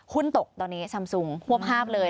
หุ้นตกตอนนี้ซัมซุงหวบห้าบเลย